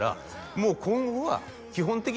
「もう今後は基本的に」